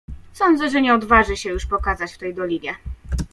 "Sądzę, że nie odważy się już pokazać w tej dolinie."